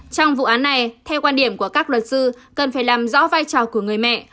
trong vụ án này theo quan điểm của các luật sư cần phải làm rõ vai trò của người mẹ